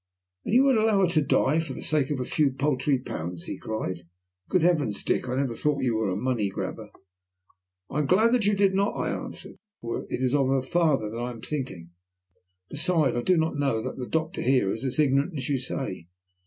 "And you would allow her to die for the sake of a few paltry pounds?" he cried. "Good heavens, Dick, I never thought you were a money grabber." "I am glad you did not," I answered. "It is of her father I am thinking. Besides, I do not know that the doctor here is as ignorant as you say.